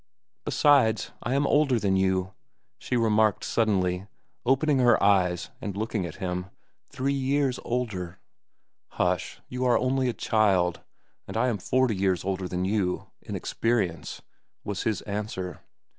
"Besides, I am older than you," she remarked suddenly, opening her eyes and looking up at him, "three years older." "Hush, you are only a child, and I am forty years older than you, in experience," was his answer.